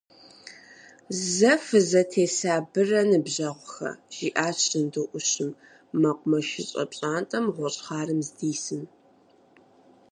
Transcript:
Зэ фызэтесабырэ, ныбжьэгъухэ! – жиӀащ жьынду Ӏущым, мэкъумэшыщӀэ пщӀантӀэм гъущӀ хъарым здисым.